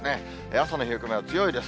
朝の冷え込みは強いです。